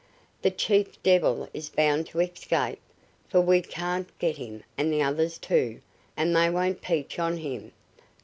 The chief devil is bound to escape, for we can't get him and the others, too, and they won't peach on him.